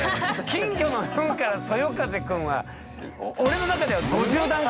金魚のフンからそよ風くんは俺の中では５０段階ぐらい。